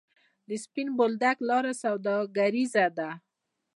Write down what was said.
د سپین بولدک لاره سوداګریزه ده